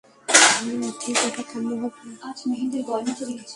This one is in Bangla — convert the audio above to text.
আমার মতে সেটা কাম্য হবে না।